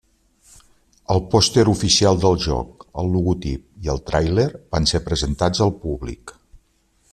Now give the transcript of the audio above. El pòster oficial del joc, el logotip i el tràiler van ser presentats al públic.